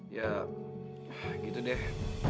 ya gitu deh